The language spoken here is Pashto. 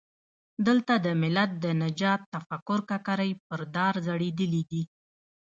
دلته د ملت د نجات تفکر ککرۍ پر دار ځړېدلي دي.